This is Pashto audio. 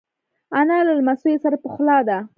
انا له لمسیو سره پخلا ده